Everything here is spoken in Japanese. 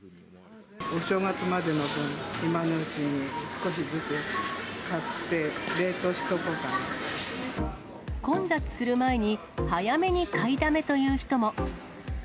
お正月までの分、今のうちに少しずつ買って、混雑する前に早めに買いだめという人も。